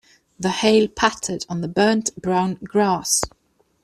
The hail pattered on the burnt brown grass.